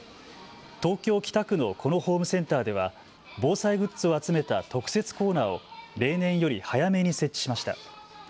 東京北区のこのホームセンターでは防災グッズを集めた特設コーナーを例年より早めに設置しました。